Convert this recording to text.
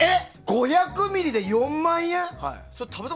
５００ミリで４万円？